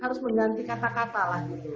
harus mengganti kata kata lah gitu